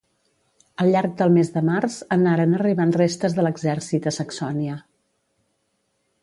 Al llarg del mes de març anaren arribant restes de l'exèrcit a Saxònia.